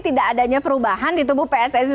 tidak adanya perubahan di tubuh pssi